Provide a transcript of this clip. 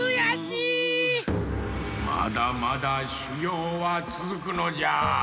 まだまだしゅぎょうはつづくのじゃ。